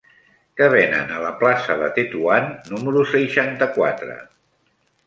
Què venen a la plaça de Tetuan número seixanta-quatre?